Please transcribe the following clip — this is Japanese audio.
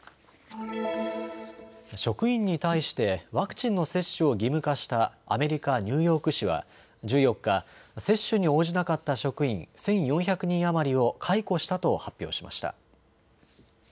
職員に対してワクチンの接種を義務化したアメリカ・ニューヨーク市は１４日、接種に応じなかった職員１４００人余りを解雇したと発表しました。